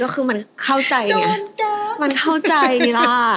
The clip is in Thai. คือมันเข้าใจมันเข้าใจนี่ล่ะ